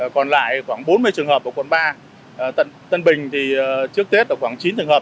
còn lại khoảng bốn mươi trường hợp ở quận ba tân bình thì trước tết là khoảng chín trường hợp